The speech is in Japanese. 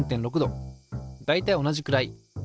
大体同じくらい。